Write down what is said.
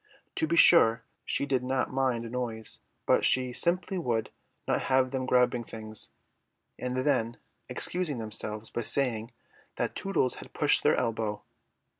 To be sure, she did not mind noise, but she simply would not have them grabbing things, and then excusing themselves by saying that Tootles had pushed their elbow.